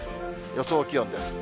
予想気温です。